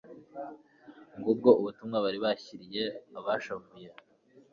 Ngubwo ubutumwa bari bashyiriye abashavuye.